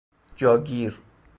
جا گیر